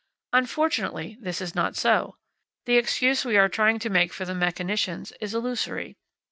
Unfortunately, this is not so. The excuse we are trying to make for the mechanicians is illusory.